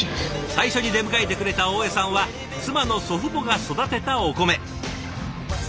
最初に出迎えてくれた大江さんは妻の祖父母が育てたお米。